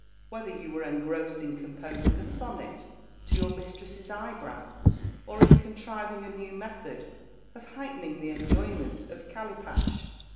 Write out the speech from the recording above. whether you were engrossed in composing a sonnet to your mistress's eyebrow, or in contriving a new method of heightening the enjoyments of _calipash?